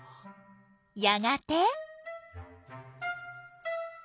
やがて？